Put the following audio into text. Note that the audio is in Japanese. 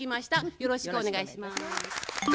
よろしくお願いします。